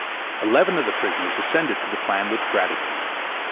Eleven of the prisoners assented to the plan with gratitude.